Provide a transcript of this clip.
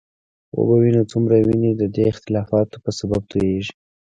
وبه وینو څومره وینې د دې اختلافونو په سبب تویېږي.